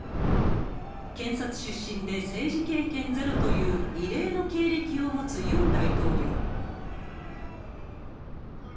検察出身で政治経験ゼロという異例の経歴を持つユン大統領。